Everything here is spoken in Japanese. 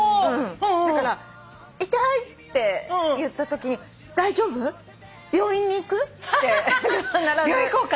だから痛いって言ったときに「大丈夫？病院に行く？」って必ず。